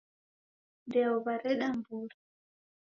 Ndeo w'areda mburi